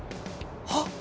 はっ？